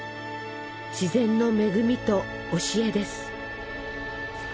自然の恵みと教えです。